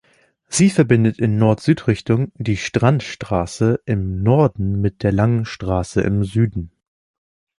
Sie verbindet in Nord-Süd-Richtung die "Strandstraße" im Norden mit der Langen Straße im Süden.